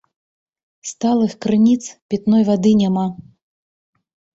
Сталых крыніц пітной вады няма.